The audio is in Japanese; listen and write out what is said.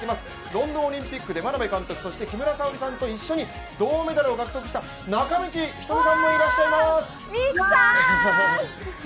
ロンドンオリンピックで眞鍋監督、そして木村さんと一緒に銅メダルを獲得した中道瞳さんもいらっしゃいます。